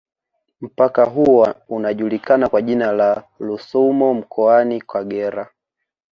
Mpaka huo unajulikana kwa jina la Rusumo mkoani Kagera